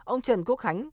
ông trần quốc khánh